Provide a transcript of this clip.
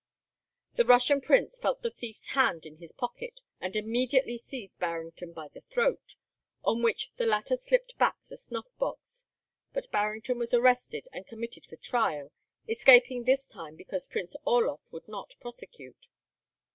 The Russian prince felt the thief's hand in his pocket, and immediately seized Barrington by the throat, on which the latter slipped back the snuff box. But Barrington was arrested and committed for trial, escaping this time because Prince Orloff would not prosecute.